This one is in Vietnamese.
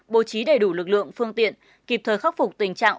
bố trí đầy đủ lực lượng phương tiện kịp thời khắc phục tình trạng